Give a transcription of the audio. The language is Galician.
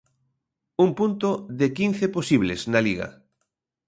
Un punto de quince posibles na Liga.